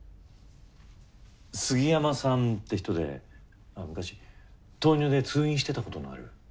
杉山さんって人で昔糖尿で通院してたことのある。